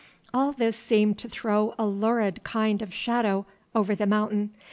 All this seemed to throw a lurid kind of shadow over The Mountain.